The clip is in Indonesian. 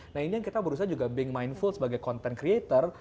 nah ini yang kita berusaha juga being mindful sebagai content creator